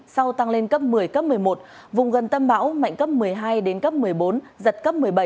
sau tăng lên cấp một mươi cấp một mươi một vùng gần tâm bão mạnh cấp một mươi hai đến cấp một mươi bốn giật cấp một mươi bảy